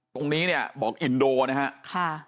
ตรงนี้บอกอินโดนะครับ